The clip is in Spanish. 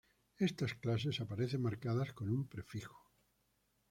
Estas clases aparecen marcadas con un prefijo.